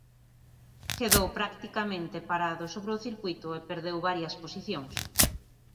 Quedou practicamente parado sobre o circuíto e perdeu varias posicións.